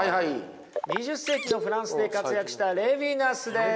２０世紀のフランスで活躍したレヴィナスです。